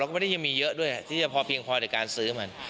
ก็ไม่ได้ยังมีเยอะด้วยที่จะพอเพียงพอในการซื้อมัน